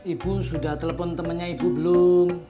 ibu sudah telepon temannya ibu belum